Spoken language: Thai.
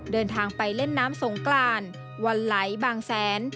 เดินทางไปเล่นน้ำสงกรานวันไหลบางแสน